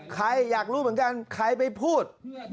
ใครอยากรู้เหมือนกันใครไปพูด